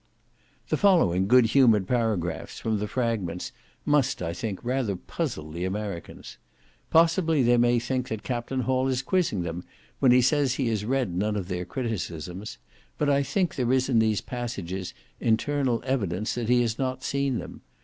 The following good humoured paragraphs from the Fragments, must, I think, rather puzzle the Americans. Possibly they may think that Captain Hall is quizzing them, when he says he has read none of their criticisms; but I think there is in these passages internal evidence that he has not seen them.